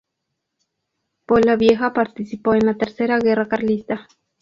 Polavieja participó en la Tercera Guerra Carlista.